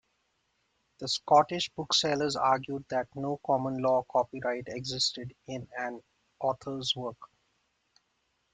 The Scottish booksellers argued that no common law copyright existed in an author's work.